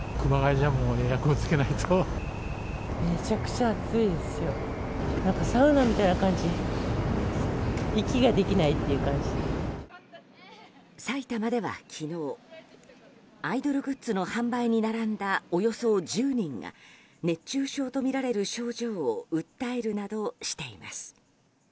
さいたまでは昨日アイドルグッズの販売に並んだおよそ１０人が熱中症とみられる症状を訴えるなどしています。